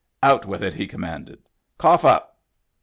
" Out with it," he commanded. " Cough up."